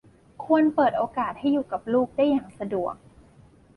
ควรเปิดโอกาสให้อยู่กับลูกได้อย่างสะดวก